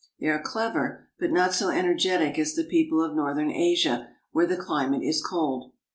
They are clever, but not so energetic as the people of northern Asia where the climate is cold.